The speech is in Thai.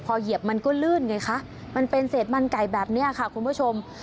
พอเหยียบมันก็ลื่นไงคะมันเป็นเศษมันไก่แบบนี้ค่ะคุณผู้ชม